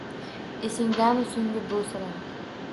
Esingdami so’nggi bo’salar